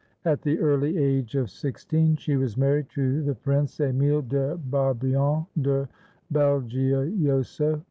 At the early age of sixteen she was married to the Prince Emile de Barbian de Belgiojoso.